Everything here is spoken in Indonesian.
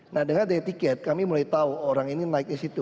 nah dengan e ticket kami mulai tahu orang ini naiknya di situ